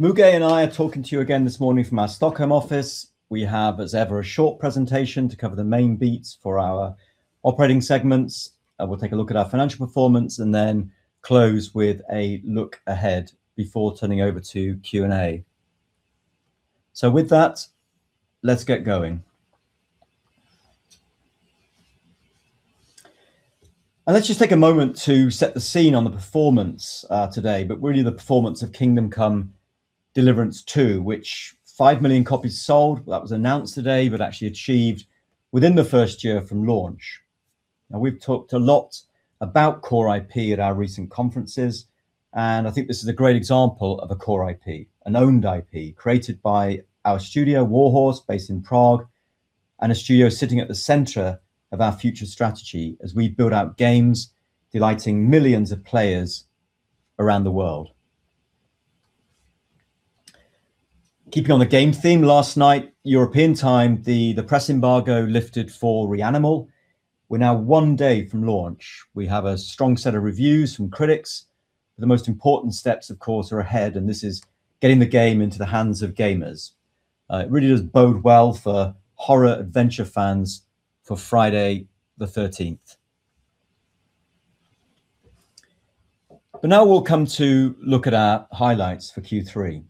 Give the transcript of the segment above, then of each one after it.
Müge and I are talking to you again this morning from our Stockholm office. We have, as ever, a short presentation to cover the main beats for our operating segments, and we'll take a look at our financial performance and then close with a look ahead before turning over to Q&A. So with that, let's get going. And let's just take a moment to set the scene on the performance, today, but really the performance of Kingdom Come: Deliverance II, which five million copies sold. That was announced today, but actually achieved within the first year from launch. Now, we've talked a lot about core IP at our recent conferences, and I think this is a great example of a core IP, an owned IP, created by our studio, Warhorse, based in Prague, and a studio sitting at the center of our future strategy as we build out games, delighting millions of players around the world. Keeping on the game theme, last night, European time, the press embargo lifted for Reanimal. We're now one day from launch. We have a strong set of reviews from critics. The most important steps, of course, are ahead, and this is getting the game into the hands of gamers. It really does bode well for horror adventure fans for Friday the 13th. But now we'll come to look at our highlights for Q3.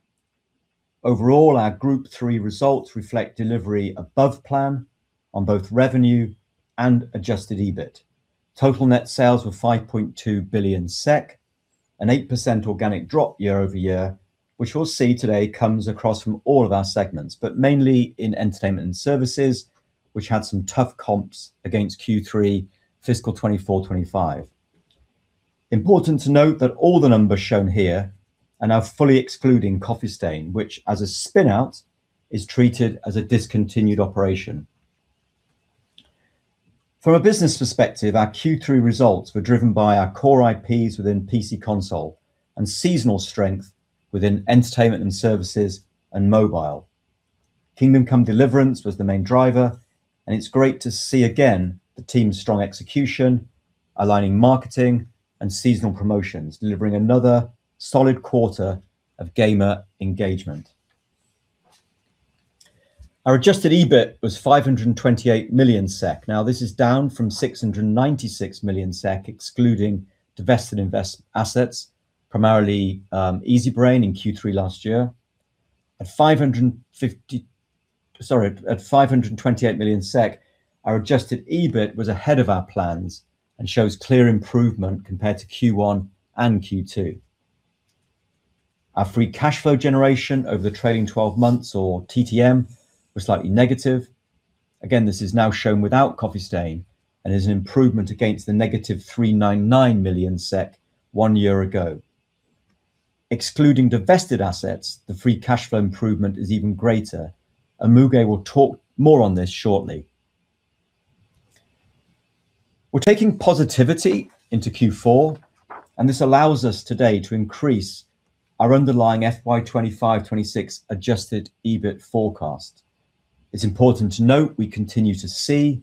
Overall, our Group's Q3 results reflect delivery above plan on both revenue and Adjusted EBIT. Total net sales were 5.2 billion SEK, an 8% organic drop year-over-year, which we'll see today, comes across from all of our segments, but mainly in Entertainment & Services, which had some tough comps against Q3, fiscal 2024-25. Important to note that all the numbers shown here are now fully excluding Coffee Stain, which, as a spin-out, is treated as a discontinued operation. From a business perspective, our Q3 results were driven by our core IPs within PC/console and seasonal strength within Entertainment & Services and Mobile. Kingdom Come: Deliverance was the main driver, and it's great to see again the team's strong execution, aligning marketing and seasonal promotions, delivering another solid quarter of gamer engagement. Our Adjusted EBIT was 528 million SEK. Now, this is down from 696 million SEK, excluding divested invest assets, primarily Easybrain in Q3 last year. At 528 million SEK, our Adjusted EBIT was ahead of our plans and shows clear improvement compared to Q1 and Q2. Our free cash flow generation over the trailing twelve months, or TTM, was slightly negative. Again, this is now shown without Coffee Stain and is an improvement against the negative 399 million SEK one year ago. Excluding divested assets, the free cash flow improvement is even greater, and Müge will talk more on this shortly. We're taking positivity into Q4, and this allows us today to increase our underlying FY 2025-2026 Adjusted EBIT forecast. It's important to note we continue to see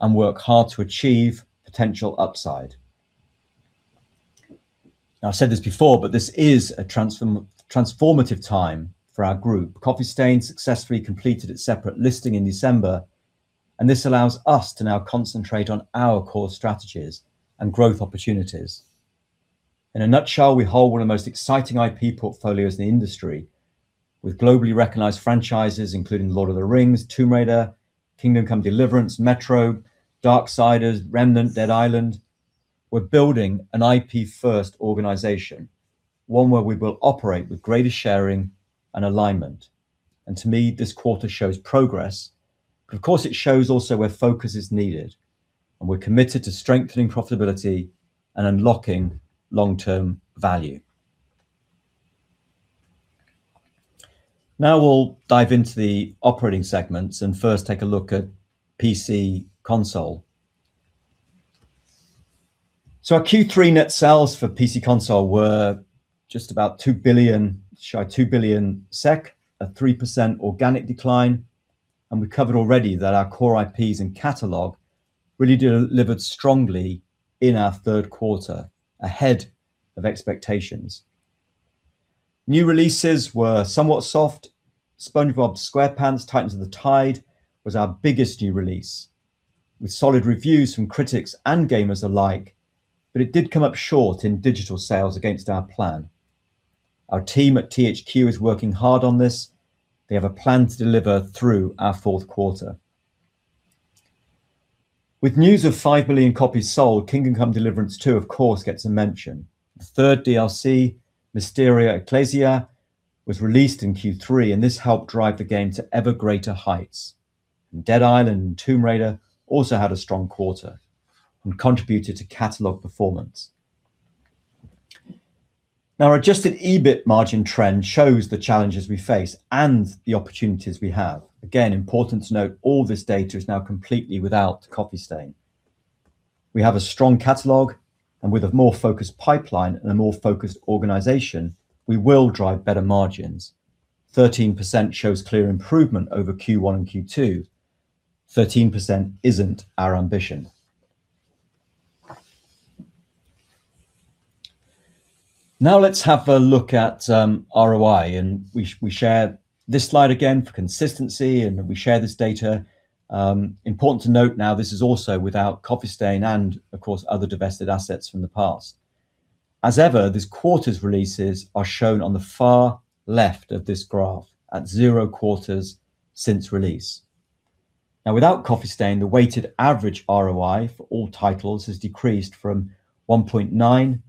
and work hard to achieve potential upside. Now, I've said this before, but this is a transformative time for our group. Coffee Stain successfully completed its separate listing in December, and this allows us to now concentrate on our core strategies and growth opportunities. In a nutshell, we hold one of the most exciting IP portfolios in the industry, with globally recognized franchises including Lord of the Rings, Tomb Raider, Kingdom Come: Deliverance, Metro, Darksiders, Remnant, Dead Island. We're building an IP-first organization, one where we will operate with greater sharing and alignment. And to me, this quarter shows progress. Of course, it shows also where focus is needed, and we're committed to strengthening profitability and unlocking long-term value. Now we'll dive into the operating segments and first take a look at PC console. Our Q3 net sales for PC console were just about 2 billion, shy of 2 billion SEK, a 3% organic decline, and we covered already that our core IPs and catalog really delivered strongly in our third quarter, ahead of expectations. New releases were somewhat soft. SpongeBob SquarePants: Titans of the Tide was our biggest new release, with solid reviews from critics and gamers alike, but it did come up short in digital sales against our plan. Our team at THQ is working hard on this. They have a plan to deliver through our fourth quarter. With news of five billion copies sold, Kingdom Come: Deliverance II, of course, gets a mention. The third DLC, Mysteria Ecclesia, was released in Q3, and this helped drive the game to ever greater heights. Dead Island and Tomb Raider also had a strong quarter and contributed to catalog performance. Now, our Adjusted EBIT margin trend shows the challenges we face and the opportunities we have. Again, important to note, all this data is now completely without Coffee Stain. We have a strong catalog, and with a more focused pipeline and a more focused organization, we will drive better margins. 13% shows clear improvement over Q1 and Q2. 13% isn't our ambition.... Now let's have a look at ROI, and we share this slide again for consistency, and we share this data. Important to note now, this is also without Coffee Stain and of course, other divested assets from the past. As ever, this quarter's releases are shown on the far left of this graph at zero quarters since release. Now, without Coffee Stain, the weighted average ROI for all titles has decreased from one point nine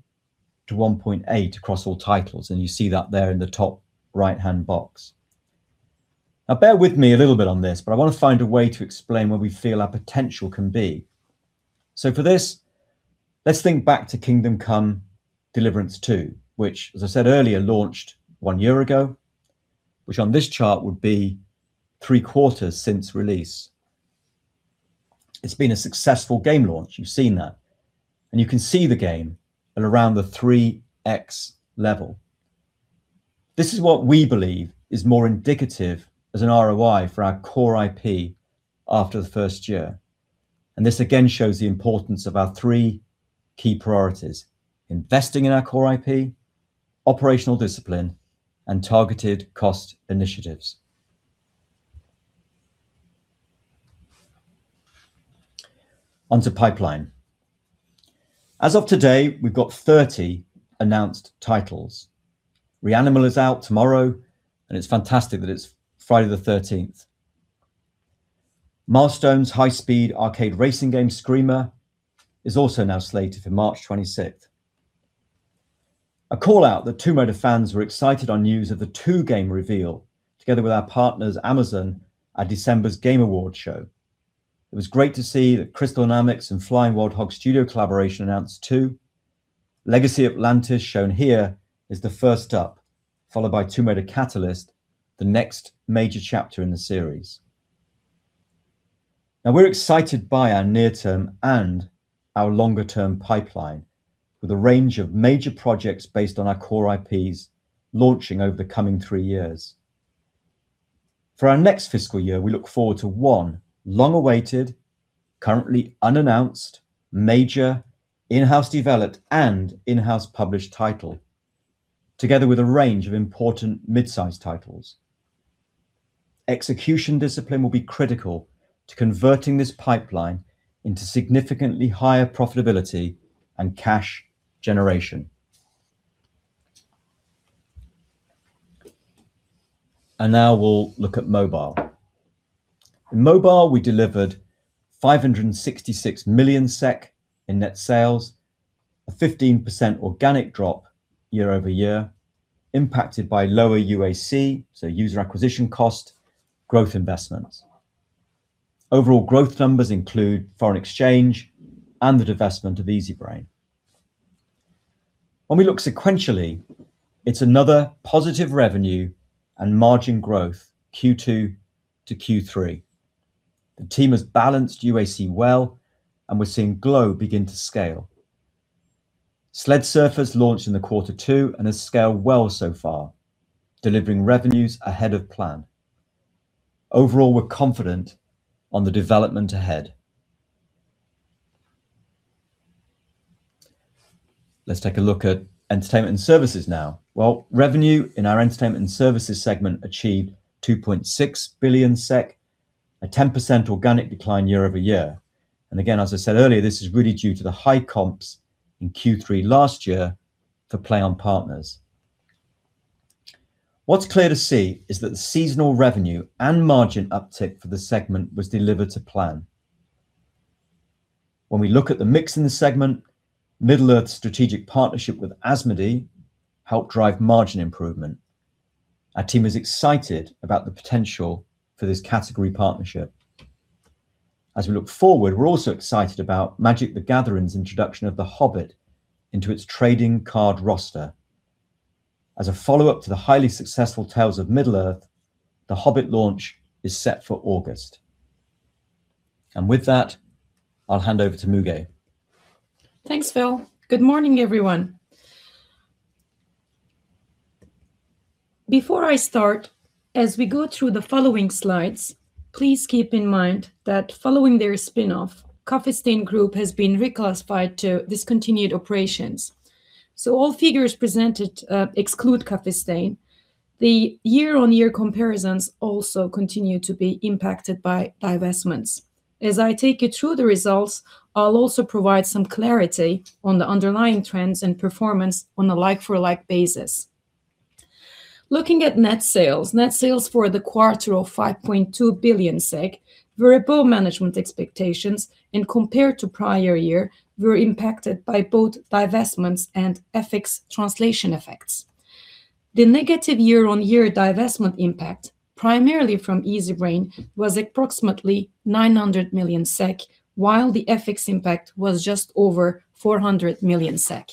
to one point eight across all titles, and you see that there in the top right-hand box. Now, bear with me a little bit on this, but I want to find a way to explain where we feel our potential can be. So for this, let's think back to Kingdom Come: Deliverance Two, which, as I said earlier, launched one year ago, which on this chart would be three quarters since release. It's been a successful game launch, you've seen that, and you can see the game at around the 3x level. This is what we believe is more indicative as an ROI for our core IP after the first year, and this again shows the importance of our three key priorities: investing in our core IP, operational discipline, and targeted cost initiatives. On to pipeline. As of today, we've got 30 announced titles. Reanimal is out tomorrow, and it's fantastic that it's Friday 13th. Milestone's high-speed arcade racing game, Screamer, is also now slated for March 26th. A call out that Tomb Raider fans were excited on news of the Tomb Raider game reveal, together with our partners, Amazon, at December's Game Awards show. It was great to see that Crystal Dynamics and Flying Wild Hog Studio collaboration announced Tomb Raider. Legacy Atlantis, shown here, is the first up, followed by Tomb Raider: Catalyst, the next major chapter in the series. Now, we're excited by our near-term and our longer-term pipeline, with a range of major projects based on our core IPs launching over the coming 3 years. For our next fiscal year, we look forward to one long-awaited, currently unannounced, major, in-house developed and in-house published title, together with a range of important mid-size titles. Execution discipline will be critical to converting this pipeline into significantly higher profitability and cash generation. Now we'll look at mobile. In mobile, we delivered 566 million SEK in net sales, a 15% organic drop year-over-year, impacted by lower UAC, so user acquisition cost, growth investments. Overall growth numbers include foreign exchange and the divestment of Easybrain. When we look sequentially, it's another positive revenue and margin growth, Q2 to Q3. The team has balanced UAC well, and we're seeing growth begin to scale. Sled Surfers launched in quarter two and has scaled well so far, delivering revenues ahead of plan. Overall, we're confident on the development ahead. Let's take a look at entertainment and services now. Well, revenue in our entertainment and services segment achieved 2.6 billion SEK, a 10% organic decline year-over-year. And again, as I said earlier, this is really due to the high comps in Q3 last year for PLAION. What's clear to see is that the seasonal revenue and margin uptick for the segment was delivered to plan. When we look at the mix in the segment, Middle-earth's strategic partnership with Asmodee helped drive margin improvement. Our team is excited about the potential for this category partnership. As we look forward, we're also excited about Magic: The Gathering's introduction of The Hobbit into its trading card roster. As a follow-up to the highly successful Tales of Middle-earth, The Hobbit launch is set for August. With that, I'll hand over to Müge. Thanks, Phil. Good morning, everyone. Before I start, as we go through the following slides, please keep in mind that following their spin-off, Coffee Stain Group has been reclassified to discontinued operations, so all figures presented exclude Coffee Stain. The year-on-year comparisons also continue to be impacted by divestments. As I take you through the results, I'll also provide some clarity on the underlying trends and performance on a like-for-like basis. Looking at net sales, net sales for the quarter of 5.2 billion SEK were above management expectations and compared to prior year, were impacted by both divestments and FX translation effects. The negative year-on-year divestment impact, primarily from Easybrain, was approximately 900 million SEK, while the FX impact was just over 400 million SEK.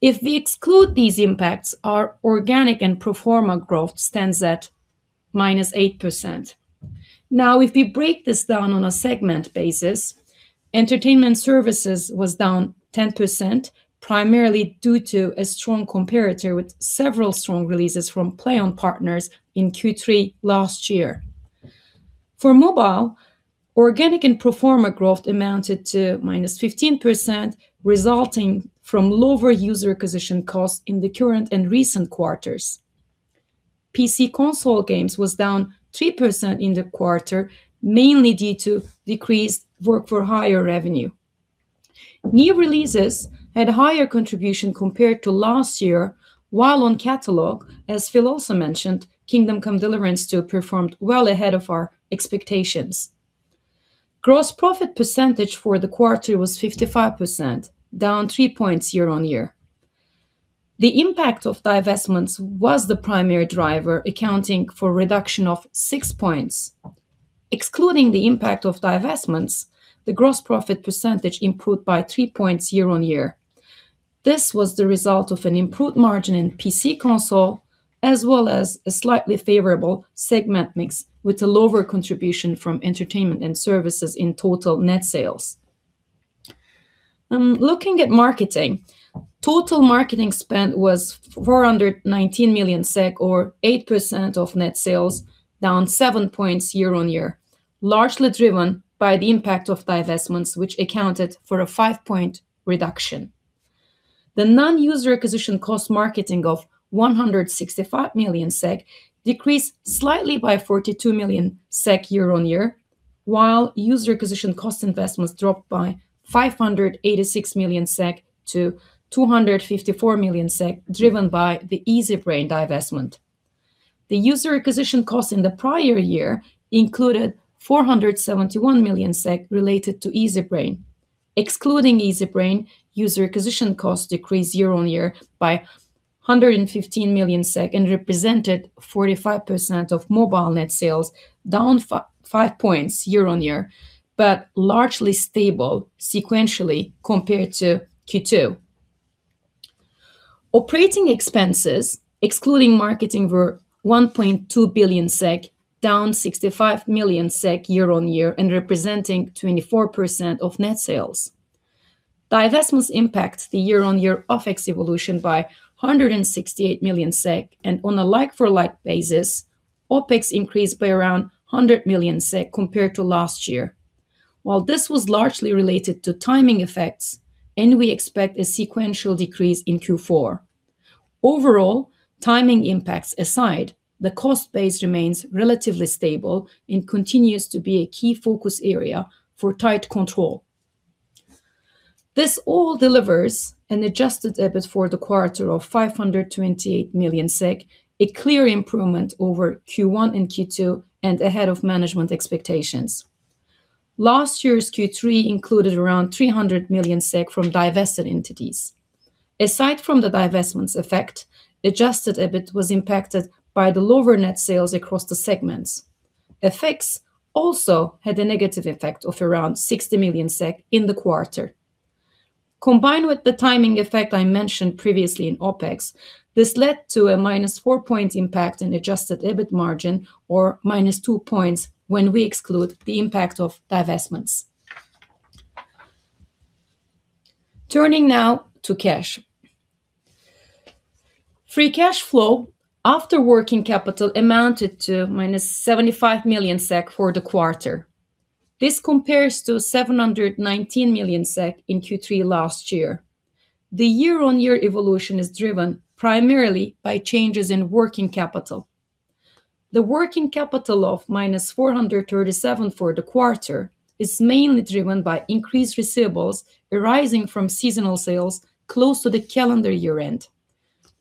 If we exclude these impacts, our organic and pro forma growth stands at -8%. Now, if we break this down on a segment basis, entertainment services was down 10%, primarily due to a strong comparator, with several strong releases from PLAION Partners in Q3 last year. For mobile, organic and pro forma growth amounted to -15%, resulting from lower user acquisition costs in the current and recent quarters. PC console games was down 3% in the quarter, mainly due to decreased work for higher revenue. New releases had higher contribution compared to last year, while on catalog, as Phil also mentioned, Kingdom Come: Deliverance still performed well ahead of our expectations. Gross profit percentage for the quarter was 55%, down three points year-on-year. The impact of divestments was the primary driver, accounting for a reduction of 6 points. Excluding the impact of divestments, the gross profit percentage improved by three points year-on-year. This was the result of an improved margin in PC console, as well as a slightly favorable segment mix, with a lower contribution from entertainment and services in total net sales. Looking at marketing, total marketing spend was 419 million SEK, or 8% of net sales, down 7 points year on year, largely driven by the impact of divestments, which accounted for a five-point reduction. The non-user acquisition cost marketing of 165 million SEK decreased slightly by 42 million SEK year on year, while user acquisition cost investments dropped by 586 million SEK to 254 million SEK, driven by the Easybrain divestment. The user acquisition cost in the prior year included 471 million SEK related to Easybrain. Excluding Easybrain, user acquisition costs decreased year-over-year by 115 million SEK, and represented 45% of mobile net sales, down 5 points year-over-year, but largely stable sequentially compared to Q2. Operating expenses, excluding marketing, were 1.2 billion SEK, down 65 million SEK year-over-year and representing 24% of net sales. Divestments impact the year-over-year OpEx evolution by 168 million SEK, and on a like-for-like basis, OpEx increased by around 100 million SEK compared to last year. While this was largely related to timing effects, and we expect a sequential decrease in Q4. Overall, timing impacts aside, the cost base remains relatively stable and continues to be a key focus area for tight control. This all delivers an Adjusted EBIT for the quarter of 528 million SEK, a clear improvement over Q1 and Q2 and ahead of management expectations. Last year's Q3 included around 300 million SEK from divested entities. Aside from the divestments effect, Adjusted EBIT was impacted by the lower net sales across the segments. Effects also had a negative effect of around 60 million SEK in the quarter. Combined with the timing effect I mentioned previously in OpEx, this led to a minus four-point impact in Adjusted EBIT margin or minus two points when we exclude the impact of divestments. Turning now to cash. Free cash flow after working capital amounted to -75 million SEK for the quarter. This compares to 719 million SEK in Q3 last year. The year-on-year evolution is driven primarily by changes in working capital. The working capital of -437 million for the quarter is mainly driven by increased receivables arising from seasonal sales close to the calendar year-end.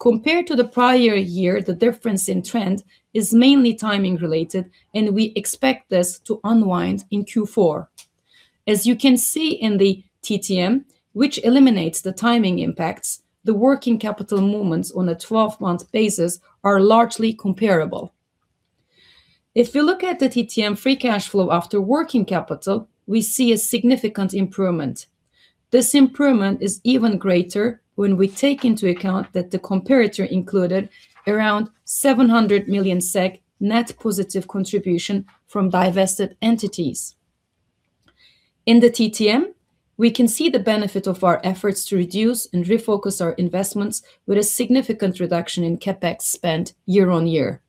Compared to the prior year, the difference in trend is mainly timing related, and we expect this to unwind in Q4. As you can see in the TTM, which eliminates the timing impacts, the working capital movements on a 12-month basis are largely comparable. If you look at the TTM free cash flow after working capital, we see a significant improvement. This improvement is even greater when we take into account that the comparator included around 700 million SEK net positive contribution from divested entities. In the TTM, we can see the benefit of our efforts to reduce and refocus our investments with a significant reduction in CapEx spend year-on-year.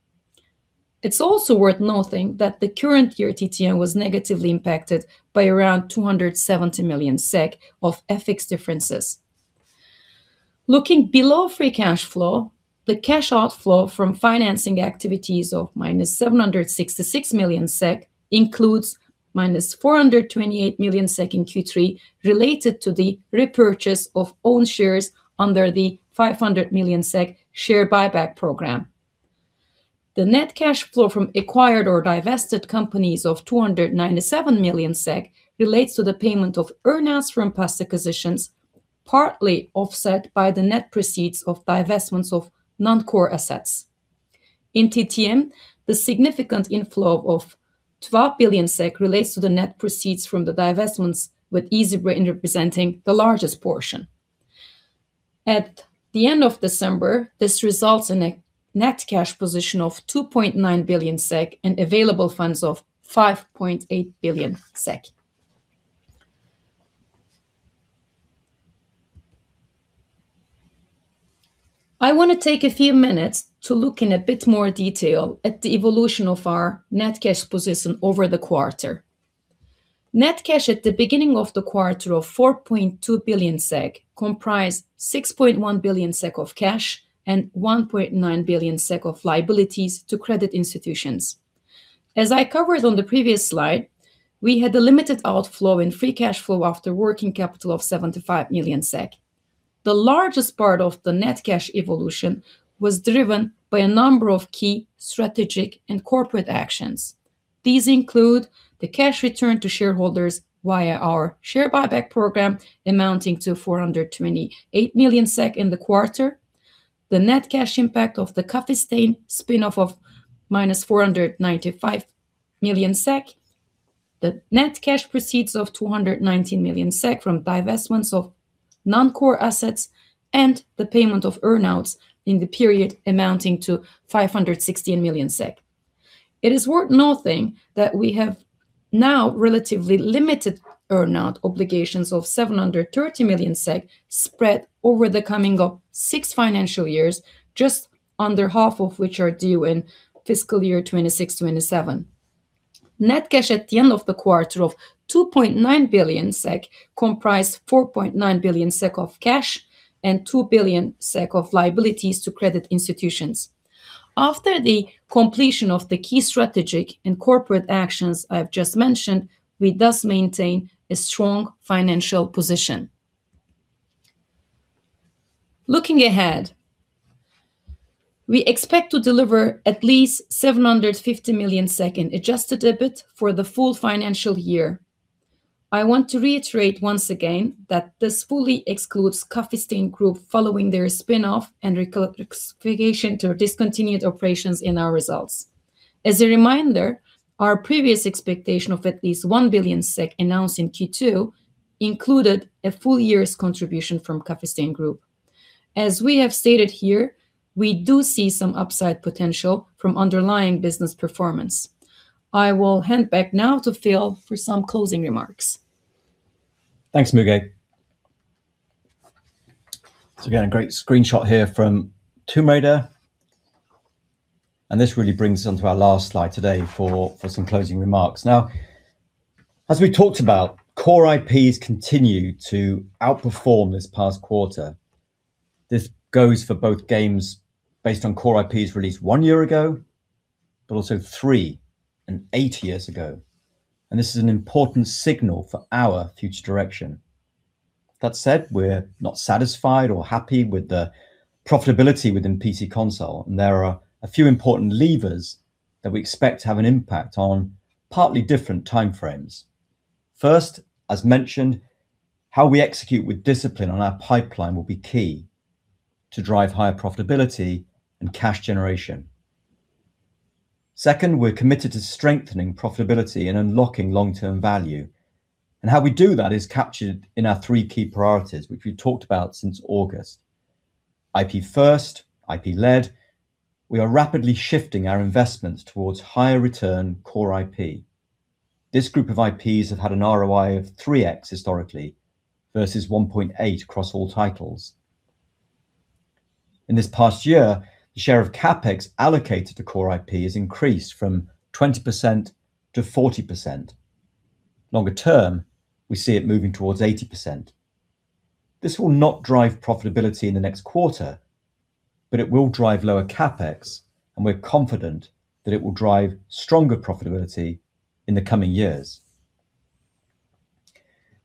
It's also worth noting that the current year TTM was negatively impacted by around 270 million SEK of FX differences. Looking below free cash flow, the cash outflow from financing activities of -766 million SEK includes -428 million SEK in Q3, related to the repurchase of own shares under the 500 million SEK share buyback program. The net cash flow from acquired or divested companies of 297 million SEK relates to the payment of earn-outs from past acquisitions, partly offset by the net proceeds of divestments of non-core assets. In TTM, the significant inflow of 12 billion SEK relates to the net proceeds from the divestments, with Easybrain representing the largest portion. At the end of December, this results in a net cash position of 2.9 billion SEK, and available funds of 5.8 billion SEK. I want to take a few minutes to look in a bit more detail at the evolution of our net cash position over the quarter. Net cash at the beginning of the quarter of 4.2 billion SEK, comprised 6.1 billion SEK of cash and 1.9 billion SEK of liabilities to credit institutions. As I covered on the previous slide, we had a limited outflow in free cash flow after working capital of 75 million SEK. The largest part of the net cash evolution was driven by a number of key strategic and corporate actions. These include the cash return to shareholders via our share buyback program, amounting to 428 million SEK in the quarter, the net cash impact of the Coffee Stain spin-off of -495 million SEK, the net cash proceeds of 219 million SEK from divestments of non-core assets, and the payment of earn-outs in the period amounting to 516 million SEK. It is worth noting that we have now relatively limited earn-out obligations of 730 million SEK spread over the coming of six financial years, just under half of which are due in fiscal year 2026, 2027. Net cash at the end of the quarter of 2.9 billion SEK comprised four point nine billion SEK of cash and two billion SEK of liabilities to credit institutions. After the completion of the key strategic and corporate actions I've just mentioned, we thus maintain a strong financial position. Looking ahead, we expect to deliver at least 750 million Adjusted EBIT for the full financial year. I want to reiterate once again that this fully excludes Coffee Stain Group, following their spin-off and reclassification to discontinued operations in our results. As a reminder, our previous expectation of at least 1 billion SEK announced in Q2 included a full year's contribution from Coffee Stain Group. As we have stated here, we do see some upside potential from underlying business performance. I will hand back now to Phil for some closing remarks. Thanks, Müge. So again, a great screenshot here from Tomb Raider, and this really brings us onto our last slide today for some closing remarks. Now, as we talked about, core IPs continued to outperform this past quarter. This goes for both games based on core IPs released one year ago, but also three and eight years ago. And this is an important signal for our future direction. That said, we're not satisfied or happy with the profitability within PC console, and there are a few important levers that we expect to have an impact on partly different timeframes. First, as mentioned, how we execute with discipline on our pipeline will be key to drive higher profitability and cash generation. Second, we're committed to strengthening profitability and unlocking long-term value, and how we do that is captured in our three key priorities, which we've talked about since August. IP first, IP led, we are rapidly shifting our investments towards higher return core IP. This group of IPs have had an ROI of 3x historically, versus one point eight across all titles. In this past year, the share of CapEx allocated to core IP has increased from 20% to 40%. Longer term, we see it moving towards 80%. This will not drive profitability in the next quarter, but it will drive lower CapEx, and we're confident that it will drive stronger profitability in the coming years.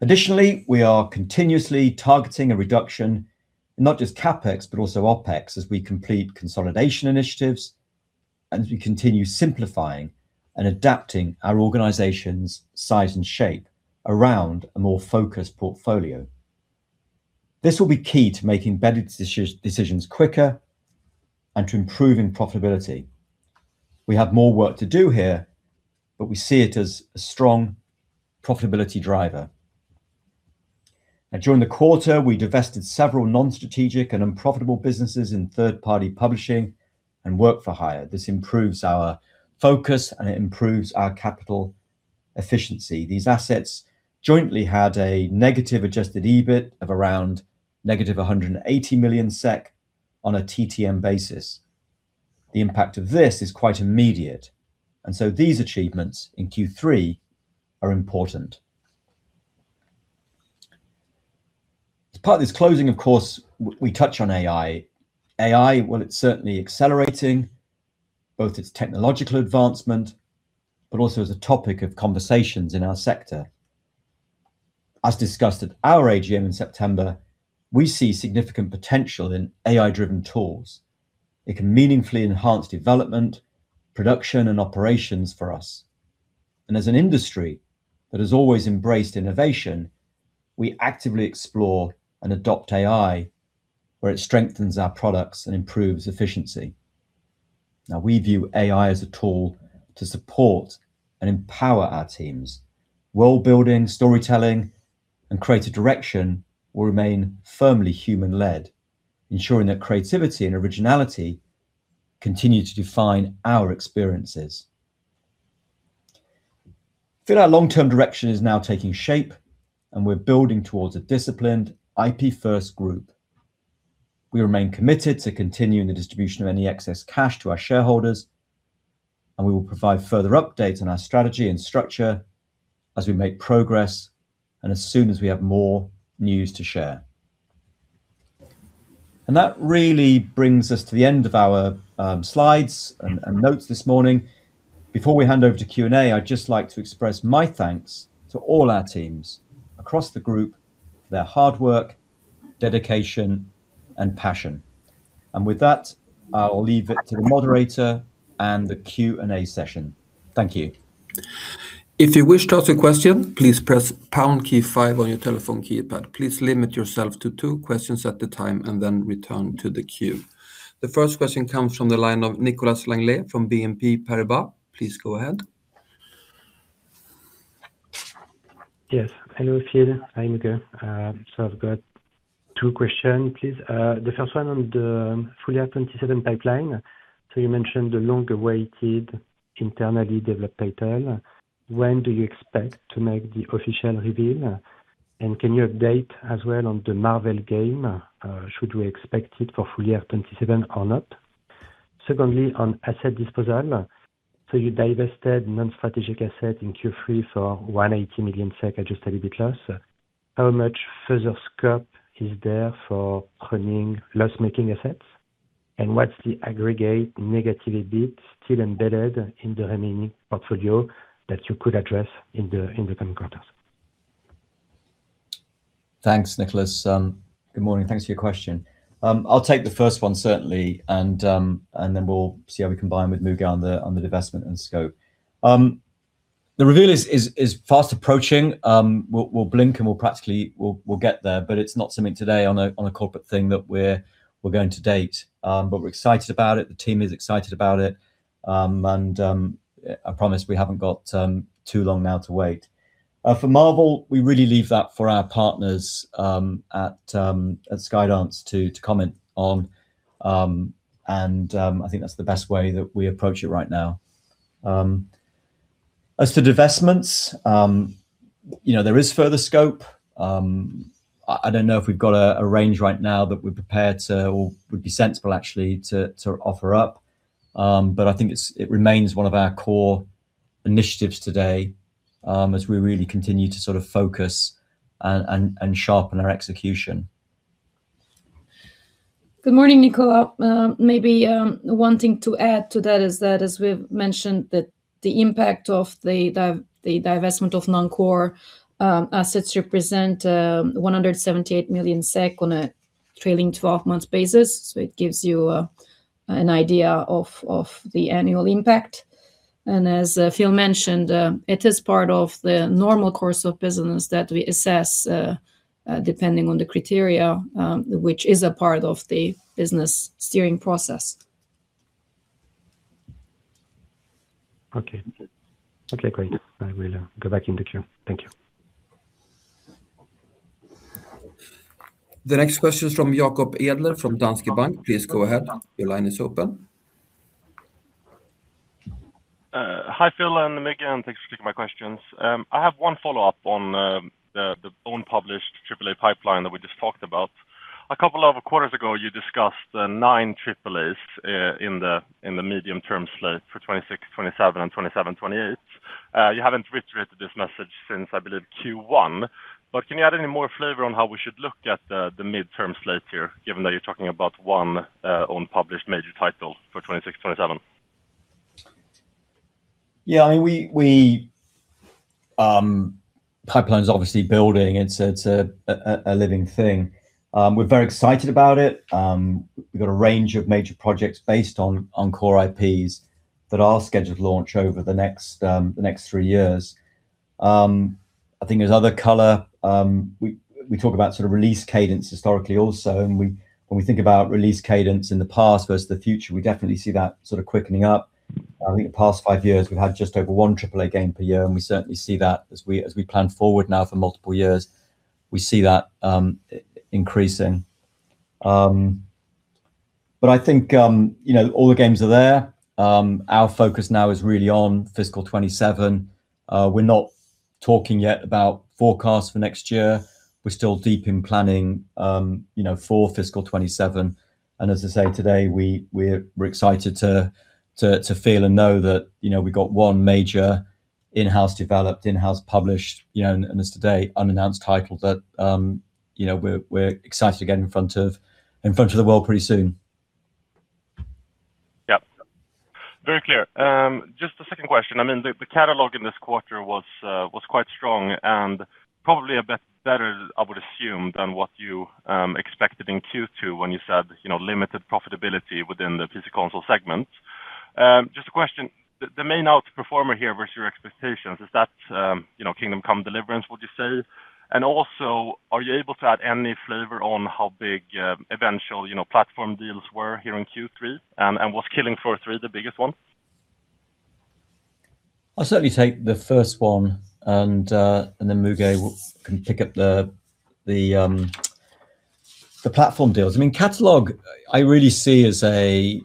Additionally, we are continuously targeting a reduction in not just CapEx, but also OpEx, as we complete consolidation initiatives and as we continue simplifying and adapting our organization's size and shape around a more focused portfolio. This will be key to making better decisions quicker and to improving profitability. We have more work to do here, but we see it as a strong profitability driver. Now, during the quarter, we divested several non-strategic and unprofitable businesses in third-party publishing and work for hire. This improves our focus, and it improves our capital efficiency. These assets jointly had a negative Adjusted EBIT of around negative 180 million SEK on a TTM basis. The impact of this is quite immediate, and so these achievements in Q3 are important. As part of this closing, of course, we touch on AI. AI, well, it's certainly accelerating both its technological advancement, but also as a topic of conversations in our sector. As discussed at our AGM in September, we see significant potential in AI-driven tools. It can meaningfully enhance development, production, and operations for us. As an industry that has always embraced innovation, we actively explore and adopt AI, where it strengthens our products and improves efficiency. Now, we view AI as a tool to support and empower our teams. World-building, storytelling, and creative direction will remain firmly human-led, ensuring that creativity and originality continue to define our experiences.... Phil, our long-term direction is now taking shape, and we're building towards a disciplined IP-first group. We remain committed to continuing the distribution of any excess cash to our shareholders, and we will provide further updates on our strategy and structure as we make progress and as soon as we have more news to share. And that really brings us to the end of our slides and notes this morning. Before we hand over to Q&A, I'd just like to express my thanks to all our teams across the group for their hard work, dedication, and passion. With that, I'll leave it to the moderator and the Q&A session. Thank you. If you wish to ask a question, please press pound key five on your telephone keypad. Please limit yourself to two questions at a time and then return to the queue. The first question comes from the line of Nicolas Langlet from BNP Paribas. Please go ahead. Yes. Hello, Phil. Hi, Müge. So I've got two questions, please. The first one on the full year 2027 pipeline. So you mentioned the long-awaited internally developed title. When do you expect to make the official reveal? And can you update as well on the Marvel game? Should we expect it for full year 2027 or not? Secondly, on asset disposal, so you divested non-strategic asset in Q3 for 180 million SEK Adjusted EBIT loss. How much further scope is there for pruning loss-making assets? And what's the aggregate negative EBIT still embedded in the remaining portfolio that you could address in the coming quarters? Thanks, Nicolas. Good morning. Thanks for your question. I'll take the first one, certainly, and then we'll see how we combine with Müge on the divestment and scope. The reveal is fast approaching. We'll blink, and we'll practically get there, but it's not something today on a corporate thing that we're going to date. But we're excited about it. The team is excited about it. And I promise we haven't got too long now to wait. For Marvel, we really leave that for our partners at Skydance to comment on. And I think that's the best way that we approach it right now. As for divestments, you know, there is further scope. I don't know if we've got a range right now that we're prepared to, or would be sensible actually, to offer up. But I think it remains one of our core initiatives today, as we really continue to sort of focus and sharpen our execution. Good morning, Nicolas. Maybe one thing to add to that is that, as we've mentioned, the impact of the divestment of non-core assets represent 178 million SEK on a trailing twelve months basis. So it gives you an idea of the annual impact. And as Phil mentioned, it is part of the normal course of business that we assess depending on the criteria, which is a part of the business steering process. Okay. Okay, great. I will go back in the queue. Thank you. The next question is from Jakob Edler, from Danske Bank. Please go ahead. Your line is open. Hi, Phil and Müge, and thanks for taking my questions. I have one follow-up on the own published Triple-A pipeline that we just talked about. A couple of quarters ago, you discussed 9 Triple-As in the medium-term slate for 2026, 2027 and 2027, 2028. You haven't reiterated this message since, I believe, Q1, but can you add any more flavor on how we should look at the midterm slate here, given that you're talking about one own published major title for 2026, 2027? Yeah, I mean, we pipeline's obviously building. It's a living thing. We're very excited about it. We've got a range of major projects based on core IPs that are scheduled to launch over the next three years. I think there's other color. We talk about sort of release cadence historically also, and when we think about release cadence in the past versus the future, we definitely see that sort of quickening up. I think the past five years, we've had just over one Triple-A game per year, and we certainly see that as we plan forward now for multiple years, we see that increasing. But I think, you know, all the games are there. Our focus now is really on fiscal 2027. We're not talking yet about forecasts for next year. We're still deep in planning, you know, for fiscal 2027. And as I say, today, we're excited to feel and know that, you know, we've got one major in-house developed, in-house published, you know, and as today, unannounced title that, you know, we're excited to get in front of the world pretty soon. Yep. Very clear. Just a second question. I mean, the catalog in this quarter was quite strong and probably a bit better, I would assume, than what you expected in Q2 when you said, you know, limited profitability within the PC console segment. Just a question, the main outperformer here versus your expectations, is that, you know, Kingdom Come: Deliverance, would you say? And also, are you able to add any flavor on how big, eventual, you know, platform deals were here in Q3? And was Killing Floor 3 the biggest one? I'll certainly take the first one, and then Müge can pick up the, the platform deals, I mean, catalog, I really see as a,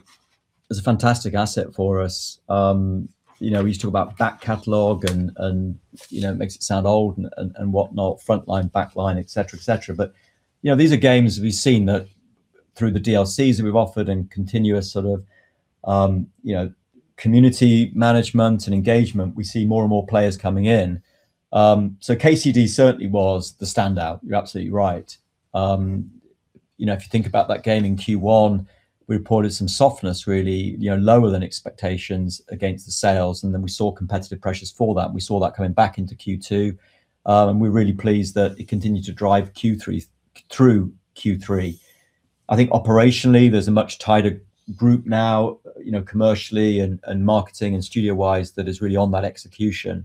as a fantastic asset for us. You know, we used to talk about back catalog and, and, and whatnot, frontline, backline, et cetera, et cetera. But, you know, these are games we've seen that through the DLCs that we've offered and continuous sort of, you know, community management and engagement, we see more and more players coming in. So KCD certainly was the standout. You're absolutely right. You know, if you think about that game in Q1, we reported some softness really, you know, lower than expectations against the sales, and then we saw competitive pressures for that, and we saw that coming back into Q2. And we're really pleased that it continued to drive Q3 through Q3. I think operationally, there's a much tighter group now, you know, commercially and marketing and studio-wise, that is really on that execution.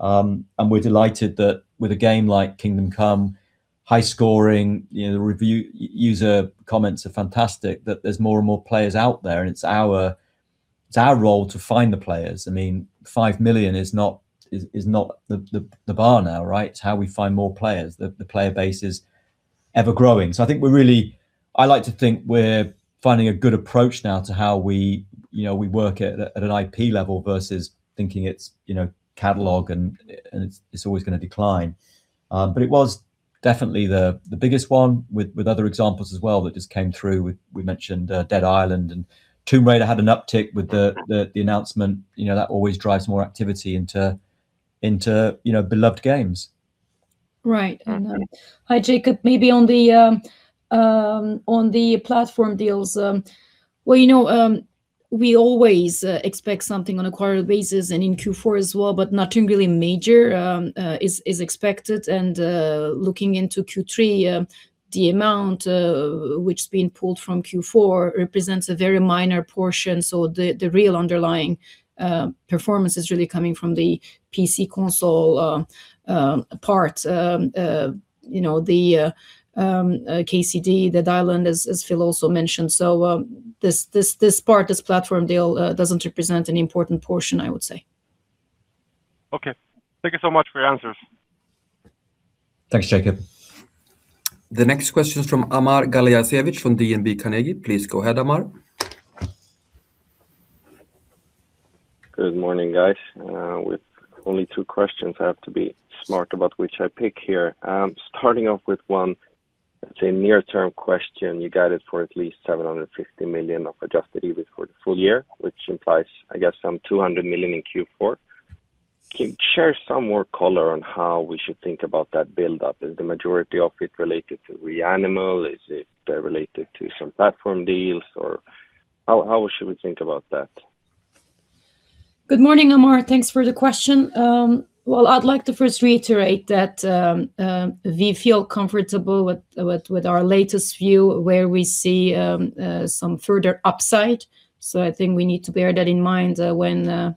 And we're delighted that with a game like Kingdom Come, high scoring, you know, the review user comments are fantastic, that there's more and more players out there, and it's our role to find the players. I mean, 5 million is not the bar now, right? It's how we find more players. The player base is ever growing. So I think we're really I like to think we're finding a good approach now to how we, you know, we work at an IP level versus thinking it's, you know, catalog and it's always gonna decline. But it was definitely the biggest one with other examples as well, that just came through. We mentioned Dead Island, and Tomb Raider had an uptick with the announcement. You know, that always drives more activity into you know, beloved games. Right. And, hi, Jakob. Maybe on the platform deals, well, you know, we always expect something on a quarterly basis and in Q4 as well, but nothing really major is expected. And, looking into Q3, the amount which is being pulled from Q4 represents a very minor portion, so the real underlying performance is really coming from the PC console part. You know, the KCD, Dead Island, as Phil also mentioned. So, this part, this platform deal, doesn't represent an important portion, I would say. Okay. Thank you so much for your answers. Thanks, Jacob. The next question is from Amar Galijasevic from Carnegie. Please go ahead, Ammar. Good morning, guys. With only two questions, I have to be smart about which I pick here. Starting off with one, it's a near-term question. You guided for at least 750 million of Adjusted EBIT for the full year, which implies, I guess, some 200 million in Q4. Can you share some more color on how we should think about that buildup? Is the majority of it related to Reanimal? Is it related to some platform deals, or how should we think about that? Good morning, Ammar. Thanks for the question. Well, I'd like to first reiterate that we feel comfortable with our latest view, where we see some further upside. So I think we need to bear that in mind when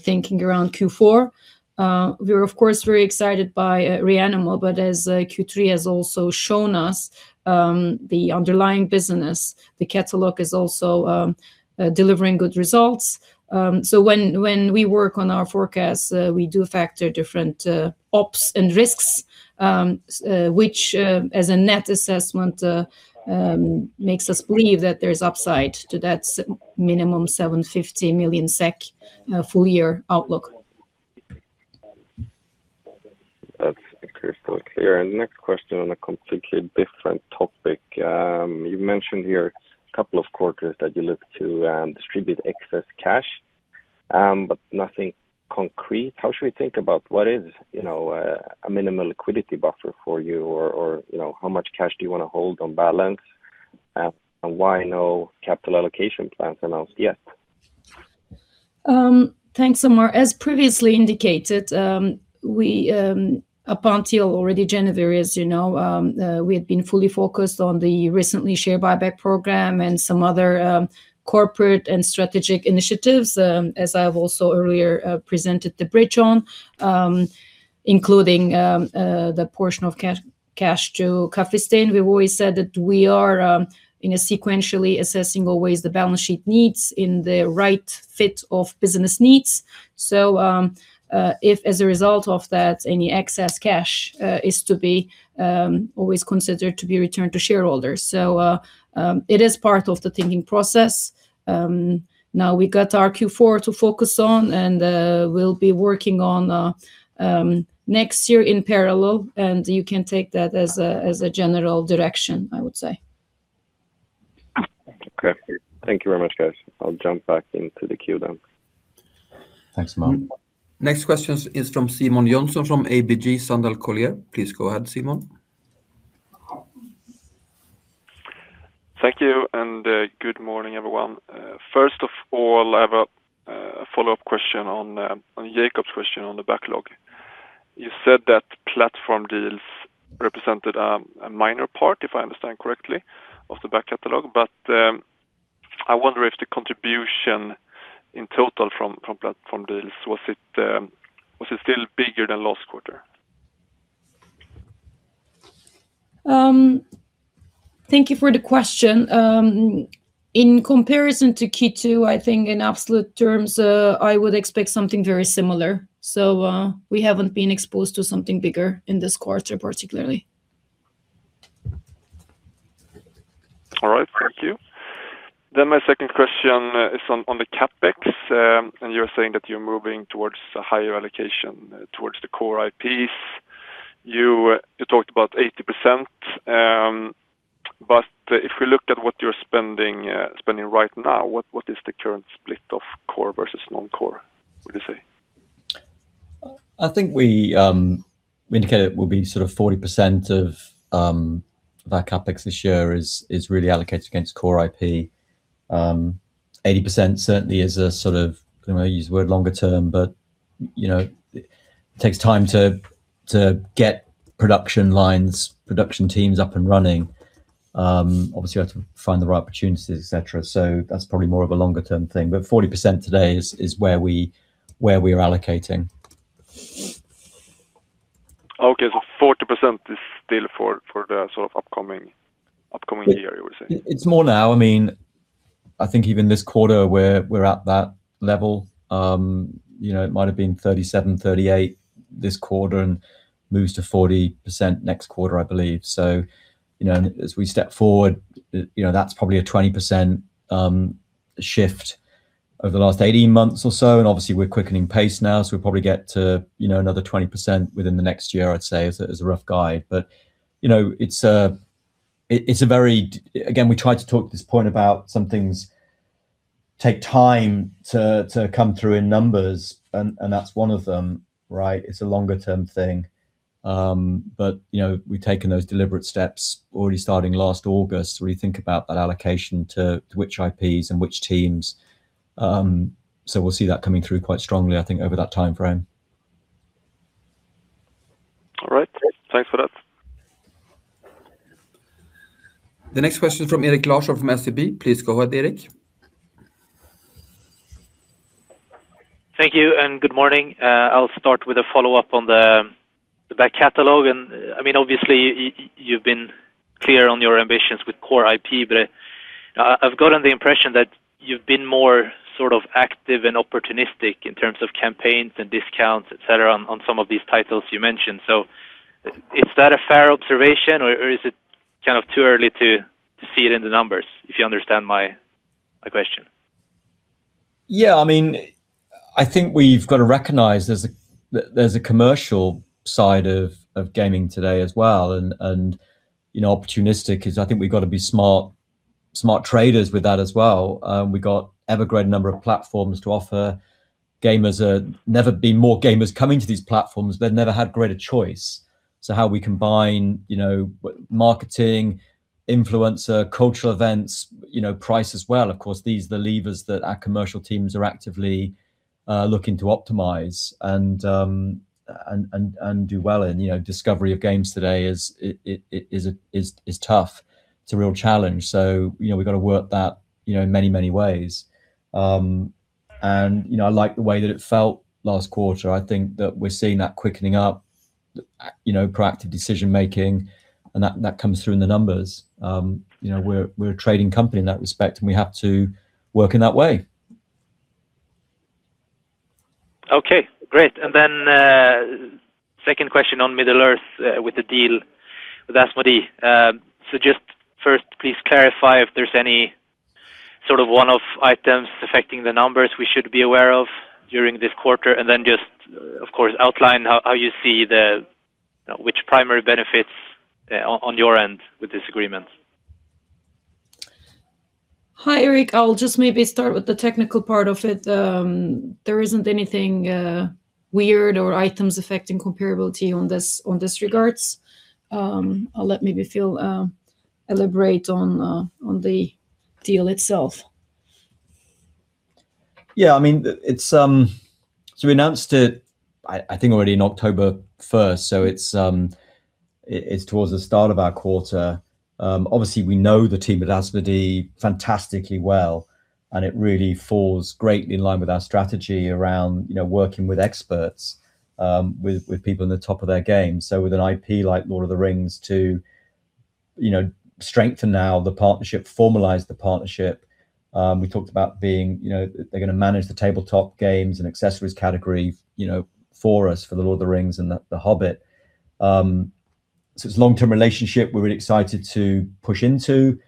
thinking around Q4. We're, of course, very excited by Reanimal, but as Q3 has also shown us, the underlying business, the catalog is also delivering good results. So when we work on our forecast, we do factor different ops and risks, which, as a net assessment, makes us believe that there's upside to that minimum, 750 million SEK full-year outlook. That's crystal clear. Next question on a completely different topic. You mentioned here a couple of quarters that you look to distribute excess cash, but nothing concrete. How should we think about what is, you know, a minimum liquidity buffer for you? Or, you know, how much cash do you want to hold on balance? And why no capital allocation plans announced yet? Thanks, Ammar. As previously indicated, we up until already January, as you know, we had been fully focused on the recently share buyback program and some other corporate and strategic initiatives, as I've also earlier presented the bridge on, including the portion of cash to Coffee Stain. We've always said that we are in a sequentially assessing all ways the balance sheet needs in the right fit of business needs. So, if as a result of that, any excess cash is to be always considered to be returned to shareholders. So, it is part of the thinking process. Now we got our Q4 to focus on, and we'll be working on next year in parallel, and you can take that as a general direction, I would say. Okay. Thank you very much, guys. I'll jump back into the queue then. Thanks, Ammar. Next questions is from Simon Jönsson, from ABG Sundal Collier. Please go ahead, Simon. Thank you, and good morning, everyone. First of all, I have a follow-up question on Jacob's question on the backlog. You said that platform deals represented a minor part, if I understand correctly, of the back catalog, but I wonder if the contribution in total from platform deals was it still bigger than last quarter? Thank you for the question. In comparison to Q2, I think in absolute terms, I would expect something very similar. So, we haven't been exposed to something bigger in this quarter, particularly. All right. Thank you. Then my second question is on the CapEx. And you're saying that you're moving towards a higher allocation towards the core IPs. You talked about 80%, but if we looked at what you're spending right now, what is the current split of core versus non-core, would you say? I think we indicated it will be sort of 40% of that CapEx this year is really allocated against core IP. Eighty percent certainly is a sort of, I'm gonna use the word longer term, but you know, it takes time to get production lines, production teams up and running. Obviously, you have to find the right opportunities, et cetera, so that's probably more of a longer-term thing. But 40% today is where we, where we're allocating. Okay. So 40% is still for, for the sort of upcoming, upcoming year, you would say? It's more now. I mean, I think even this quarter, we're at that level. You know, it might have been 37%-38% this quarter and moves to 40% next quarter, I believe. So, you know, and as we step forward, you know, that's probably a 20% shift over the last 18 months or so, and obviously, we're quickening pace now, so we'll probably get to, you know, another 20% within the next year, I'd say, as a rough guide. But, you know, it's a very, again, we tried to talk to this point about some things take time to come through in numbers, and that's one of them, right? It's a longer-term thing. But, you know, we've taken those deliberate steps already starting last August, where you think about that allocation to which IPs and which teams. So we'll see that coming through quite strongly, I think, over that timeframe. All right. Thanks for that. The next question from Erik Larsson from SEB. Please go ahead, Erik. Thank you, and good morning. I'll start with a follow-up on the back catalog, and I mean, obviously, you've been clear on your ambitions with core IP, but I've gotten the impression that you've been more sort of active and opportunistic in terms of campaigns and discounts, et cetera, on some of these titles you mentioned. So is that a fair observation, or is it kind of too early to see it in the numbers? If you understand my question. Yeah, I mean, I think we've got to recognize there's a commercial side of gaming today as well, and you know, opportunistic is I think we've got to be smart traders with that as well. We've got ever-growing number of platforms to offer. Gamers are never been more gamers coming to these platforms. They've never had greater choice. So how we combine, you know, marketing, influencer, cultural events, you know, price as well, of course, these are the levers that our commercial teams are actively looking to optimize and do well in. You know, discovery of games today is tough. It's a real challenge. So, you know, we've got to work that, you know, in many, many ways. You know, I like the way that it felt last quarter. I think that we're seeing that quickening up, you know, proactive decision making, and that comes through in the numbers. You know, we're a trading company in that respect, and we have to work in that way. Okay, great. And then, second question on Middle-earth, with the deal with Asmodee. So just first, please clarify if there's any sort of one-off items affecting the numbers we should be aware of during this quarter, and then just, of course, outline how, how you see the, which primary benefits, on your end with this agreement. Hi, Erik. I'll just maybe start with the technical part of it. There isn't anything weird or items affecting comparability on this, on this regards. I'll let maybe Phil elaborate on the deal itself. Yeah, I mean, it's... So we announced it, I think already in October first, so it's towards the start of our quarter. Obviously, we know the team at Asmodee fantastically well, and it really falls greatly in line with our strategy around, you know, working with experts, with people in the top of their game. So with an IP like Lord of the Rings to, you know, strengthen now the partnership, formalize the partnership, we talked about being, you know, they're gonna manage the tabletop games and accessories category, you know, for us, for the Lord of the Rings and The Hobbit. So it's a long-term relationship we're really excited to push into.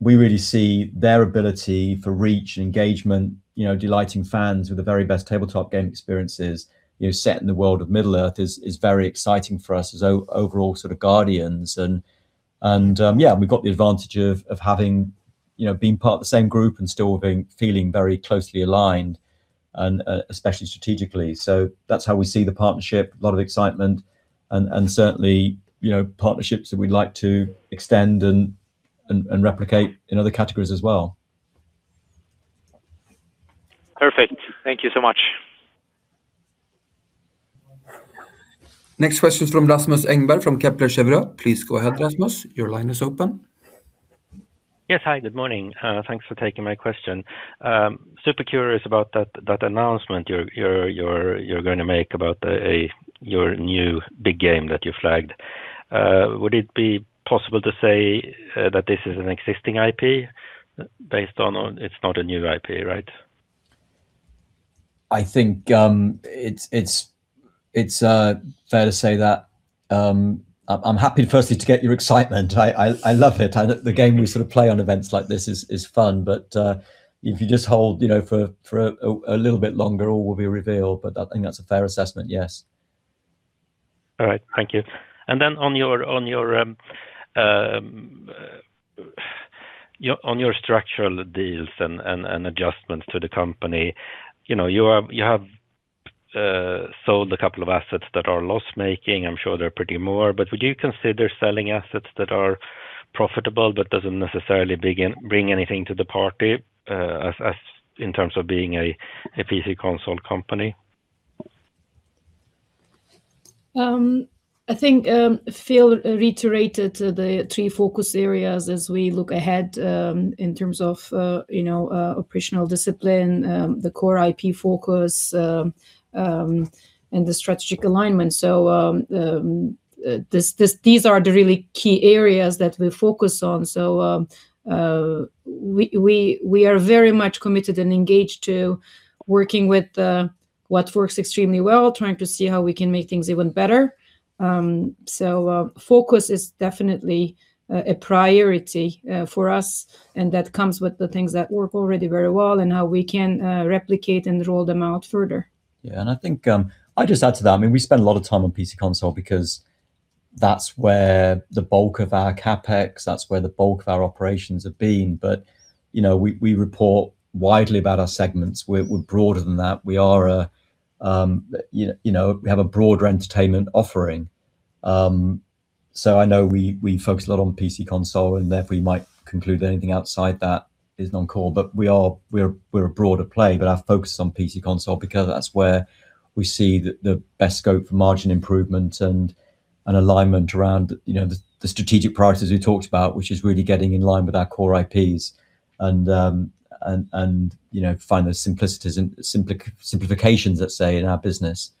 We really see their ability for reach and engagement, you know, delighting fans with the very best tabletop game experiences, you know, set in the world of Middle-earth is very exciting for us as overall sort of guardians, and, and, yeah, we've got the advantage of having, you know, being part of the same group and still being, feeling very closely aligned, and, especially strategically. So that's how we see the partnership, a lot of excitement and, and, and certainly, you know, partnerships that we'd like to extend and, and, and replicate in other categories as well. Perfect. Thank you so much. Next question from Rasmus Engberg, from Kepler Cheuvreux. Please go ahead, Rasmus. Your line is open. Yes, hi, good morning. Thanks for taking my question. Super curious about that announcement you're going to make about your new big game that you flagged.... would it be possible to say that this is an existing IP based on, on it’s not a new IP, right? I think it's fair to say that I'm happy firstly to get your excitement. I love it. The game we sort of play on events like this is fun, but if you just hold, you know, for a little bit longer, all will be revealed. But I think that's a fair assessment, yes. All right. Thank you. And then on your structural deals and adjustments to the company, you know, you have sold a couple of assets that are loss-making. I'm sure there are plenty more, but would you consider selling assets that are profitable but doesn't necessarily bring anything to the party, as in terms of being a PC console company? I think Phil reiterated the three focus areas as we look ahead, in terms of, you know, operational discipline, the core IP focus, and the strategic alignment. So, these are the really key areas that we focus on. So, we are very much committed and engaged to working with what works extremely well, trying to see how we can make things even better. So, focus is definitely a priority for us, and that comes with the things that work already very well, and how we can replicate and roll them out further. Yeah, and I think, I'd just add to that, I mean, we spend a lot of time on PC console because that's where the bulk of our CapEx, that's where the bulk of our operations have been. But, you know, we, we report widely about our segments. We're, we're broader than that. We are a, you know, we have a broader entertainment offering. So I know we focus a lot on PC console, and therefore you might conclude anything outside that is non-core, but we are a broader play, but our focus is on PC console because that's where we see the best scope for margin improvement and alignment around, you know, the strategic priorities we talked about, which is really getting in line with our core IPs, and, you know, find those simplicities and simplifications that say in our business.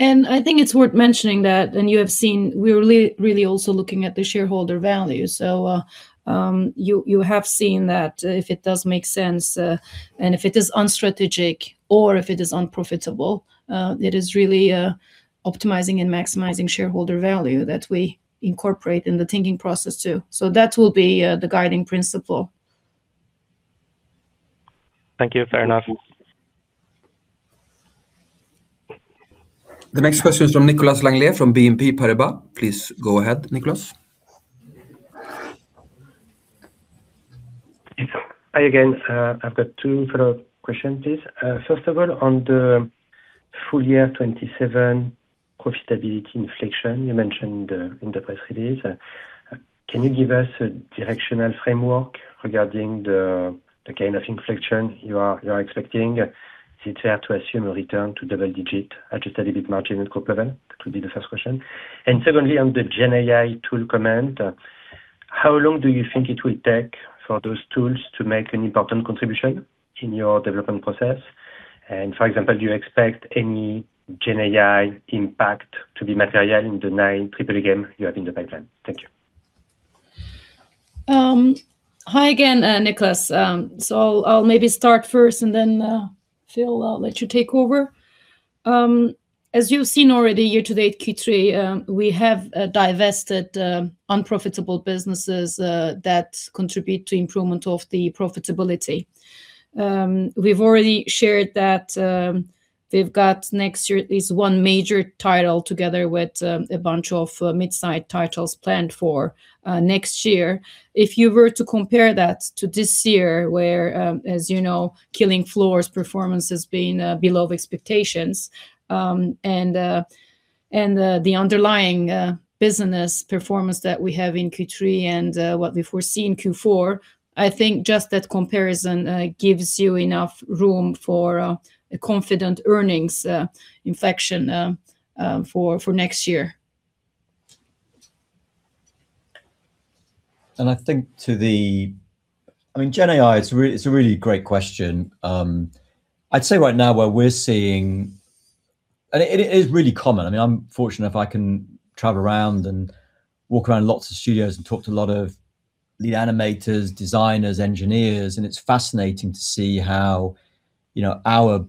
I think it's worth mentioning that, and you have seen, we're really, really also looking at the shareholder value. So, you have seen that if it does make sense, and if it is unstrategic or if it is unprofitable, it is really optimizing and maximizing shareholder value that we incorporate in the thinking process, too. So that will be the guiding principle. Thank you. Fair enough. The next question is from Nicolas Langlet from BNP Paribas. Please go ahead, Nicolas. Yes. Hi again. I've got two follow-up questions, please. First of all, on the full year 2027 profitability inflection you mentioned, in the press release, can you give us a directional framework regarding the kind of inflection you are expecting? Is it fair to assume a return to double-digit Adjusted EBIT margin at group level? That would be the first question. And secondly, on the GenAI tool comment, how long do you think it will take for those tools to make an important contribution in your development process? And for example, do you expect any GenAI impact to be material in the nine AAA game you have in the pipeline? Thank you. Hi again, Nicolas. So I'll, I'll maybe start first and then, Phil, I'll let you take over. As you've seen already, year to date, Q3, we have divested unprofitable businesses that contribute to improvement of the profitability. We've already shared that, we've got next year, at least one major title together with a bunch of mid-sized titles planned for next year. If you were to compare that to this year, where, as you know, Killing Floor's performance has been below the expectations, and the underlying business performance that we have in Q3 and what we foresee in Q4, I think just that comparison gives you enough room for a confident earnings inflection for next year. I think to the—I mean, GenAI, it's a really, it's a really great question. I'd say right now, where we're seeing. And it is really common. I mean, I'm fortunate if I can travel around and walk around lots of studios and talk to a lot of lead animators, designers, engineers, and it's fascinating to see how, you know, our,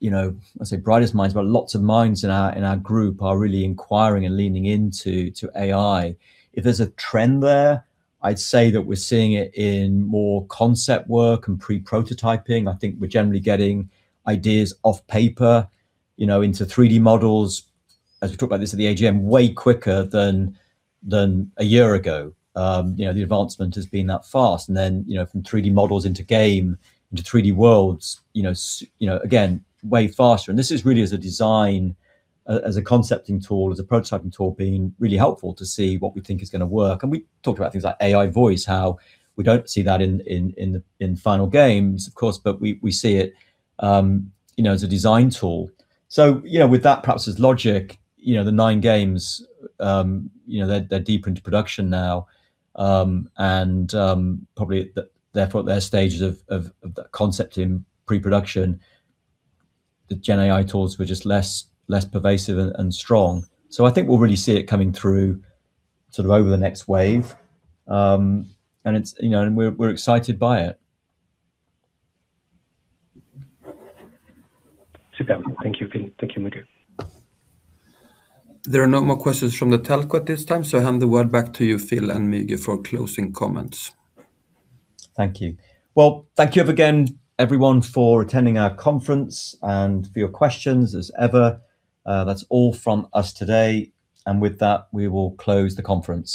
you know, I'd say brightest minds, but lots of minds in our, in our group are really inquiring and leaning into AI. If there's a trend there, I'd say that we're seeing it in more concept work and pre-prototyping. I think we're generally getting ideas off paper, you know, into 3D models, as we talked about this at the AGM, way quicker than a year ago. You know, the advancement has been that fast, and then, you know, from 3D models into game, into 3D worlds, you know, again, way faster. And this is really as a design, as a concepting tool, as a prototyping tool, being really helpful to see what we think is gonna work. And we talked about things like AI voice, how we don't see that in the final games, of course, but we see it, you know, as a design tool. So, you know, with that, perhaps as logic, you know, the 9 games, you know, they're deep into production now, and probably at the... They're at their stages of the concept in pre-production. The GenAI tools were just less pervasive and strong. So I think we'll really see it coming through sort of over the next wave. And it's, you know, and we're excited by it. Superb. Thank you, Phil. Thank you, Müge. There are no more questions from the telco at this time, so I hand the word back to you, Phil and Müge, for closing comments. Thank you. Well, thank you again, everyone, for attending our conference and for your questions as ever. That's all from us today, and with that, we will close the conference.